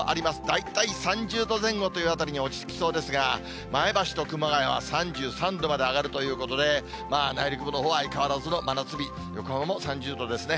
大体３０度前後というあたりに落ち着きそうですが、前橋と熊谷は３３度まで上がるということで、内陸部のほうは相変わらずの真夏日、横浜も３０度ですね。